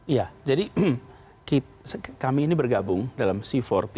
iya jadi kami ini bergabung dalam c empat puluh